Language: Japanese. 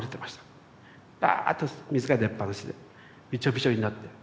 バーッと水が出っぱなしでビチョビチョになって。